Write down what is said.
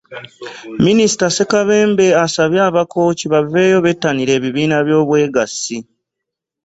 Minisita Ssekabembe asabye Abakooki baveeyo bettanire ebibiina by'obwegassi